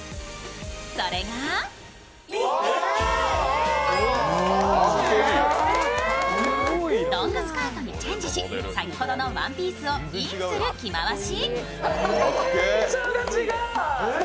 それがロングスカートにチェンジし、先ほどのロングワンピースをインする着回し。